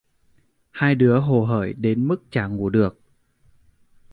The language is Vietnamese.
Hai đứa hồ hởi đến mức chả ngủ được